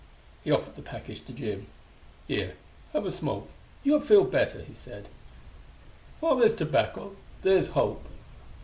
He offered the package to Jim. "Here, have a smoke; you'll feel better," he said. "While there's tobacco there's hope."